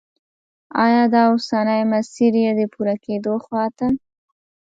آیا دا اوسنی مسیر یې د پوره کېدو خواته